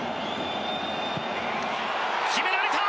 決められた。